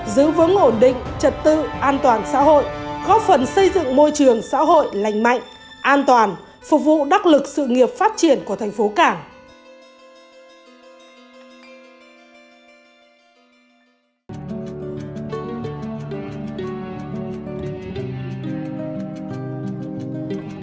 giữ vững ổn định trật tự an toàn xã hội góp phần xây dựng môi trường xã hội lành mạnh an toàn phục vụ đắc lực sự nghiệp phát triển của thành phố cảng